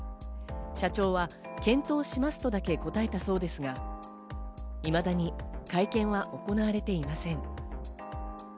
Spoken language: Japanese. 社長は検討しますとだけ答えたそうですが、いまだに会見は行われていません。